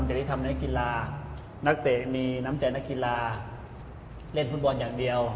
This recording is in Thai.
จะได้ทำนักกีฬานักเตะมีน้ำใจนักกีฬาเล่นฟุตบอลอย่างเดียว